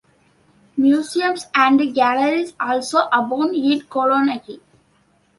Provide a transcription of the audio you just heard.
Museums and galleries also abound in Kolonaki.